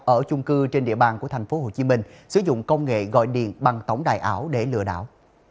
ở chung cư trên địa bàn của tp hcm sử dụng công nghệ gọi điện bằng tổng đài ảo để lừa đảo